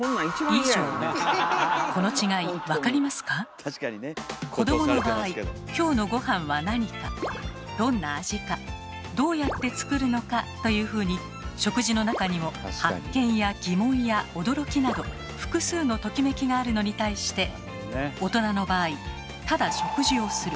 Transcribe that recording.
この違い分かりますか？というふうに食事の中にも「発見」や「疑問」や「驚き」など複数のトキメキがあるのに対して大人の場合ただ食事をする。